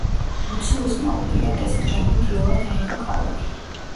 ლუციუსმა, უპირატესი ჯარით იოლად აიღო ქალაქი.